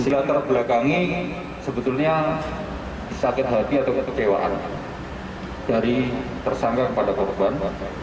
sebelakangi sebetulnya sakit hati atau kekewaan dari tersangka kepada korban